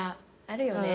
あるよね。